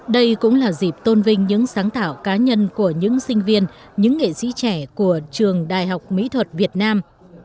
đây cũng là dịp tôn vinh những sáng tạo cá nhân của những sinh viên những nghệ sĩ trẻ của trường đại học mỹ thuật việt nam